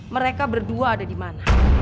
mereka berdua ada dimana